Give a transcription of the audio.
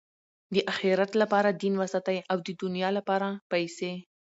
د آخرت له پاره دین وساتئ! او د دؤنیا له پاره پېسې.